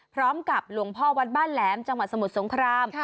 พร้อมกับหลวงพ่อวัดบ้านแหลมจังหวัดสมุทรสงคราม